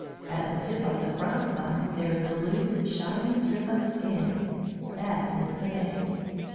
At the tip of the front spine there is a loose, shining strip of skin that is the bait.